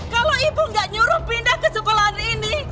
kalau ibu gak nyuruh pindah ke sekolah ini